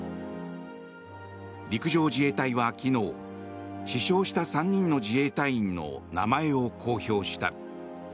陸上自衛隊は昨日死傷者３人の自衛隊員の名前を公表した。